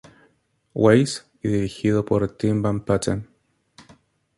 Weiss, y dirigido por Tim Van Patten.